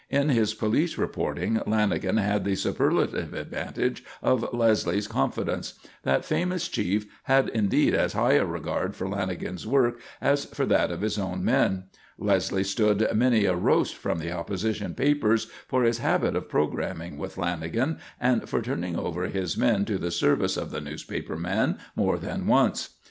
In his police reporting Lanagan had the superlative advantage of Leslie's confidence. That famous chief had indeed as high a regard for Lanagan's work as for that of his own men. Leslie stood many a "roast" from the opposition papers for his habit of programming with Lanagan, and for turning over his men to the service of the newspaper man more than once.